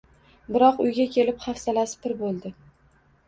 Biroq uyga kelib hafsalasi pir boʻldi